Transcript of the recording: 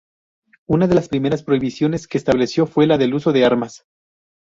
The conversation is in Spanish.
Una de las primeras prohibiciones que estableció fue la del uso de armas.